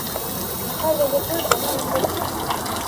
Няхай лезе той, каму ён рупіць.